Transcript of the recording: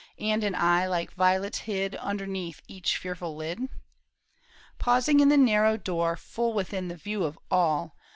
And an eye like violets hid Underneath each fearful lid ? Pausing in the narrow door. Full within the view of all.